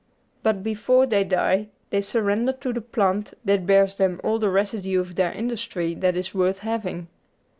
But before they die they surrender to the plant that bears them all the residue of their industry that is worth having.